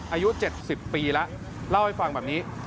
อายุ๗๐ปีแล้วเล่าให้ฟังแบบนี้